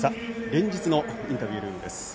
連日のインタビュールームです。